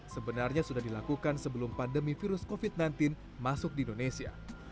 sebenarnya sudah dilakukan sebelum pandemi virus covid sembilan belas masuk di indonesia